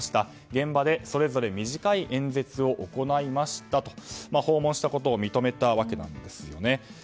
現場でそれぞれ短い演説を行いましたと訪問したことを認めたわけですね。